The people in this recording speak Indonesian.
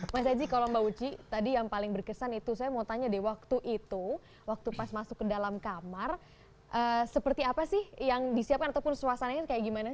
mas aji kalau mbak uci tadi yang paling berkesan itu saya mau tanya deh waktu itu waktu pas masuk ke dalam kamar seperti apa sih yang disiapkan ataupun suasananya kayak gimana